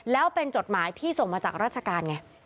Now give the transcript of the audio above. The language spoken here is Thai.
แล้วเป็นจดหมายที่ส่งมาจากราชการไง